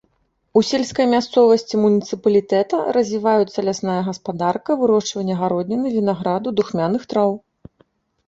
У сельскай мясцовасці муніцыпалітэта развіваюцца лясная гаспадарка, вырошчванне гародніны, вінаграду, духмяных траў.